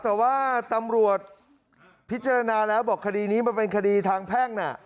แต่ว่าตำรวจพิจารณาแล้วบอกคดีนี้มันเป็นคดีทางแพ่งน่ะ